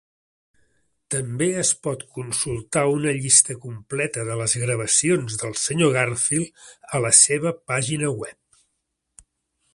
També es pot consultar una llista completa de les gravacions del Sr. Garfield a la seva pàgina web.